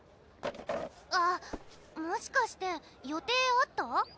あっもしかして予定あった？